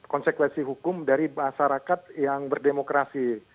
konsekuensi hukum dari masyarakat yang berdemokrasi